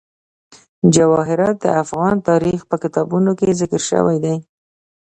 جواهرات د افغان تاریخ په کتابونو کې ذکر شوی دي.